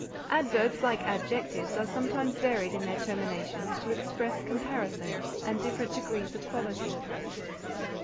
Adverbs, like adjectives, are sometimes varied in their terminations to express comparison and different degrees of quality.